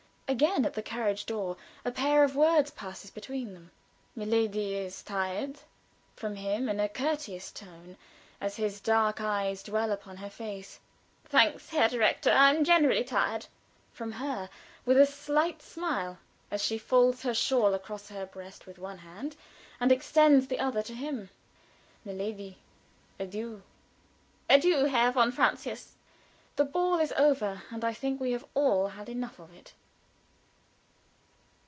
Again at the carriage door, "a pair of words" passes between them. "Milady is tired?" from him, in a courteous tone, as his dark eyes dwell upon her face. "Thanks, Herr Direktor, I am generally tired," from her, with a slight smile, as she folds her shawl across her breast with one hand, and extends the other to him. "Milady, adieu." "Adieu, Herr von Francius." The ball is over, and I think we have all had enough of it.